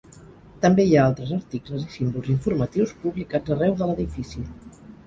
També hi ha altres articles i símbols informatius publicats arreu de l"edifici.